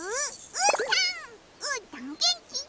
うーたんげんきげんき！